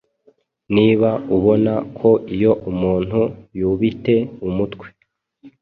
niba ubona ko iyo umuntu yubite umutwe